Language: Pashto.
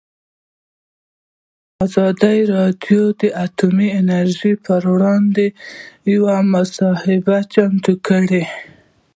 ازادي راډیو د اټومي انرژي پر وړاندې یوه مباحثه چمتو کړې.